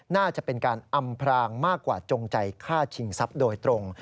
น่าจะเป็นการอำพรางมากกว่าจงใจฆ่าชิงทรัพย์โดยตรง